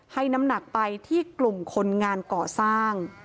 น้ำหนักไปที่กลุ่มคนงานก่อสร้าง